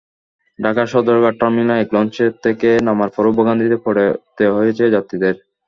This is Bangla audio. ঢাকার সদরঘাট টার্মিনালে এসে লঞ্চ থেকে নামার পরও ভোগান্তিতে পড়তে হয়েছে যাত্রীদের।